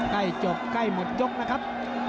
ใกล้จบใกล้หมดยกนะครับ